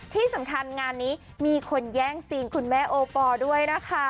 ที่สำคัญงานนี้มีคนแย่งซีนคุณแม่โอปอล์ด้วยนะคะ